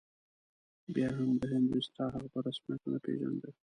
بیا هم د هند ویسرا هغه په رسمیت ونه پېژانده.